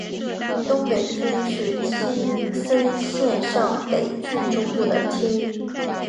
东北町是青森县上北郡中部的町。